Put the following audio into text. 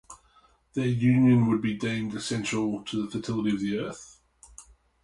Their union would be deemed essential to the fertility of the earth.